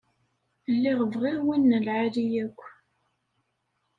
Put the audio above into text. Lliɣ bɣiɣ win n lɛali yakk.